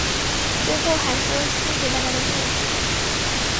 最后还说谢谢大家的配合